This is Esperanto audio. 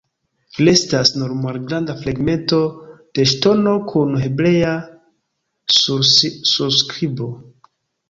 Restas nur malgranda fragmento de ŝtono kun hebrea surskribo.